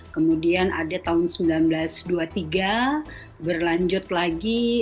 kemudian ada tahun seribu sembilan ratus dua puluh tiga berlanjut lagi